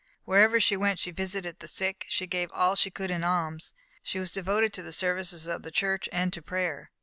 Wherever she went she visited the sick, she gave all she could in alms, she was devoted to the services of the church and to prayer.